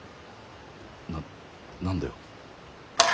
な何だよ？